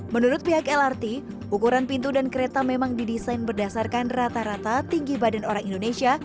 menurut pihak lrt ukuran pintu dan kereta memang didesain berdasarkan rata rata tinggi badan orang indonesia